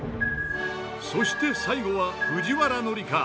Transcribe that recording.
そして最後は藤原紀香。